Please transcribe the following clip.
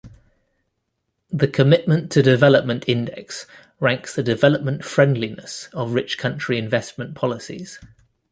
The Commitment to Development Index ranks the "development-friendliness" of rich country investment policies.